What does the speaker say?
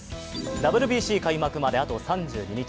ＷＢＣ開幕まであと３２日。